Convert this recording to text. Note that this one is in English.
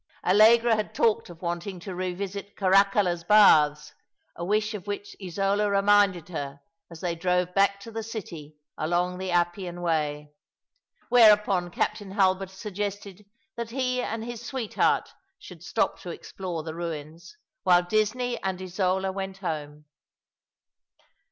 Allegra had talked of wanting to revisit Oaracalla's Baths, a wish of which Isola reminded her as they drove back to the city, along the Appian "Way: whereupon Captain Hulbert suggested that he and his sweetheart should stop to explore the ruins, while Disney and Isola went home.